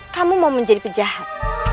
kamu mau menjadi pejahat